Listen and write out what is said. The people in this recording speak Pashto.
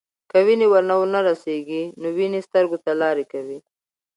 که وینې ور ونه رسیږي، نو وینې سترګو ته لارې کوي.